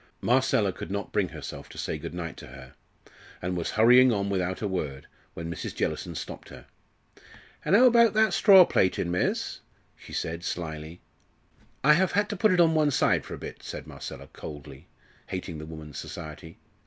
Marcella could not bring herself to say good night to her, and was hurrying on without a word, when Mrs. Jellison stopped her. "An' 'ow about that straw plaitin', miss?" she said slyly. "I have had to put it on one side for a bit," said Marcella, coldly, hating the woman's society.